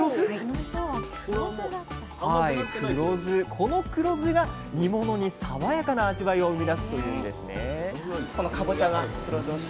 この黒酢が煮物に爽やかな味わいを生み出すというんですね